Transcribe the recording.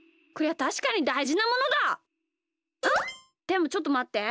でもちょっとまって。